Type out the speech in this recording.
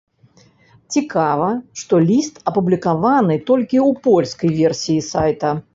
Цікава, што ліст апублікаваны толькі ў польскай версіі сайта.